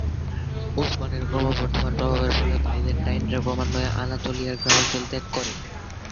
উসমানের ক্রমবর্ধমান প্রভাবের ফলে বাইজেন্টাইনরা ক্রমান্বয়ে আনাতোলিয়ার গ্রামাঞ্চল ত্যাগ করে।